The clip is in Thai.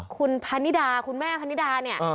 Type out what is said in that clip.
คุณพนิดาคุณแม่พนิดาเนี่ย